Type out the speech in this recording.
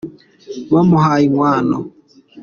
bamuhaye inkwano.